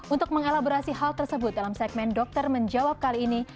untuk mengelaborasi hal tersebut dalam segmen dokter menjawab kali ini